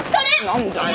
何だよ？